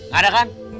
gak ada kan